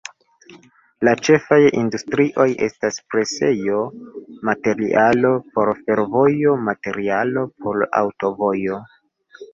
La ĉefaj industrioj estas presejo, materialo por fervojo, materialo por aŭtovojo.